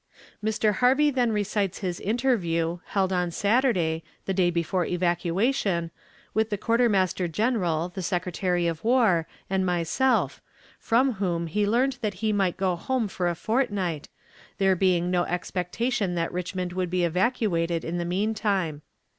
Mr. Harvie then recites his interview, held on Saturday, the day before evacuation, with the Quartermaster General, the Secretary of War, and myself, from whom he learned that he might go home for a fortnight, there being no expectation that Richmond would be evacuated in the mean time.